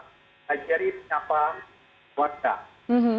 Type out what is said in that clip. kajari menyapa wadah